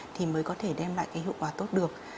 thì mới có thể đem lại cái hiệu quả tốt được